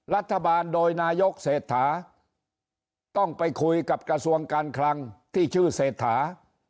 รัฐบาลโดยนายกเศรษฐาต้องไปคุยกับกระทรวงการคลังที่ชื่อเศรษฐา